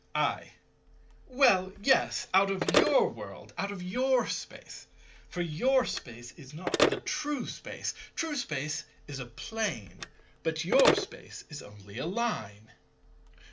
I. Well, yes. Out of your world. Out of your Space. For your Space is not the true Space. True Space is a Plane; but your Space is only a Line.